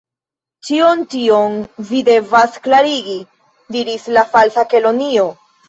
"Ĉion tion vi devas klarigi," diris la Falsa Kelonio.